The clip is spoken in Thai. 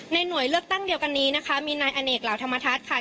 หน่วยเลือกตั้งเดียวกันนี้นะคะมีนายอเนกเหล่าธรรมทัศน์ค่ะ